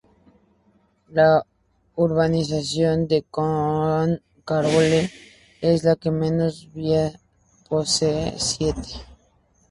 La urbanización de Can Carbonell es la que menos vías posee, siete.